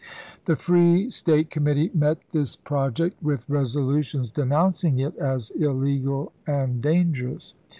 The Free State Committee met this project with resolutions denouncing it as illegal and dangerous.